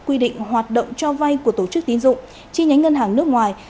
quy định hoạt động cho vay của tổ chức tín dụng chi nhánh ngân hàng nước ngoài